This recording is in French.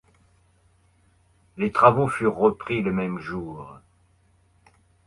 Les travaux furent repris le même jour.